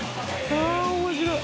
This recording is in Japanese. あぁ面白い。